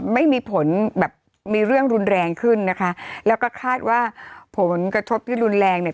ไม่มีผลแบบมีเรื่องรุนแรงขึ้นนะคะแล้วก็คาดว่าผลกระทบที่รุนแรงเนี่ย